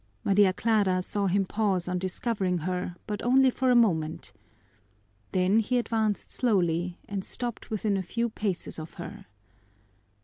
Maria Clara saw him pause on discovering her, but only for a moment. Then he advanced slowly and stopped within a few paces of her.